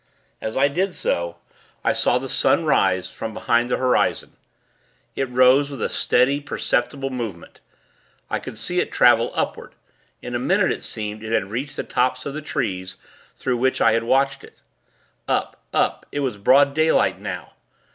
As I did so, I saw the Sun rise, from behind the horizon. It rose with a steady, perceptible movement. I could see it travel upward. In a minute, it seemed, it had reached the tops of the trees, through which I had watched it. Up, up It was broad daylight now.